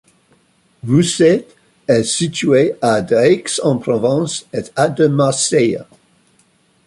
Rousset est située à d'Aix-en-Provence et à de Marseille.